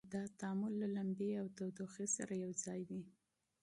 دا تعامل له لمبې او تودوخې سره یو ځای وي.